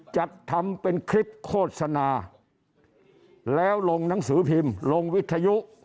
และลงหนังสือพิมพ์ลงวิทยุ